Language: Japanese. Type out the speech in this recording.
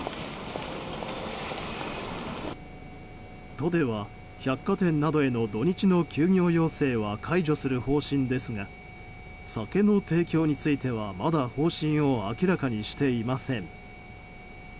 都では百貨店などへの土日の休業要請は解除する方針ですが酒の提供についてはまだ方針を明らかにしていません。